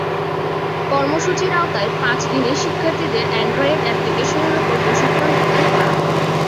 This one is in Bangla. কর্মসূচির আওতায় পাঁচ দিনে শিক্ষার্থীদের অ্যান্ড্রয়েড অ্যাপ্লিকেশনের ওপর প্রশিক্ষণ প্রদান করা হবে।